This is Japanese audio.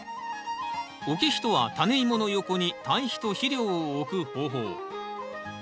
置き肥とはタネイモの横に堆肥と肥料を置く方法。